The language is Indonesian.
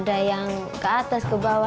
ada yang ke atas ke bawah